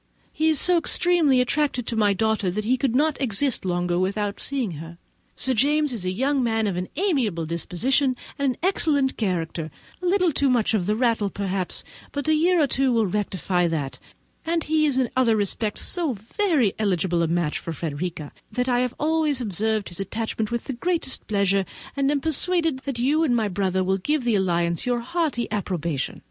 He is so extremely attached to my daughter that he could not exist longer without seeing her. Sir James is a young man of an amiable disposition and excellent character; a little too much of the rattle, perhaps, but a year or two will rectify that: and he is in other respects so very eligible a match for Frederica, that I have always observed his attachment with the greatest pleasure; and am persuaded that you and my brother will give the alliance your hearty approbation.